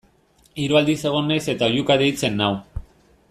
Hiru aldiz egon naiz eta oihuka deitzen nau.